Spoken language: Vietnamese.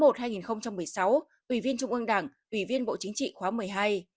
tháng một một mươi sáu ủy viên trung ương đảng ủy viên bộ chính trị khóa một mươi hai